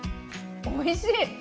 おいしい！